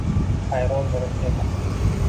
Hayron bo‘lib dedi